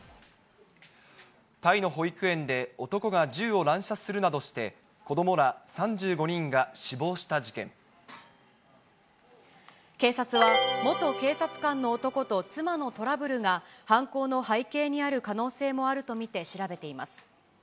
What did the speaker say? タイの保育園で男が銃を乱射するなどして、子どもら３５人が死亡警察は、元警察官の男と妻のトラブルが犯行の背景にある可能性もあると見